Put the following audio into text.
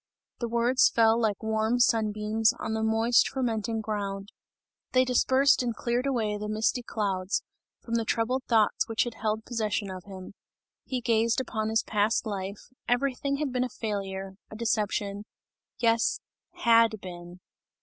The words fell like warm sun beams on the moist, fermenting ground; they dispersed and cleared away the misty clouds, from the troubled thoughts which had held possession of him; he gazed upon his past life; everything had been a failure, a deception yes, had been.